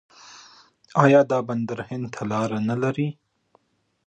آیا دا بندر هند ته لاره نلري؟